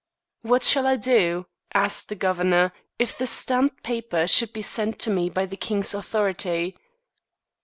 "What shall I do," asked the governor, "if the stamped paper should be sent to me by the king's authority?"